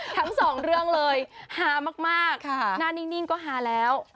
ทั้งสองเรื่องเลยฮามากหน้านิ่งก็ฮาแล้ว